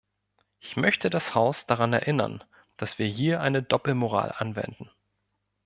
Ich möchte das Haus daran erinnern, dass wir hier eine Doppelmoral anwenden.